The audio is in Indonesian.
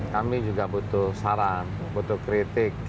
kami juga butuh saran butuh kritik